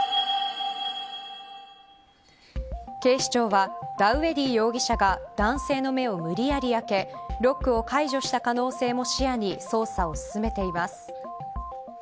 警視庁はダウエディ容疑者が男性の目を無理やり開けロックを解除した可能性も視野に捜査を進めています。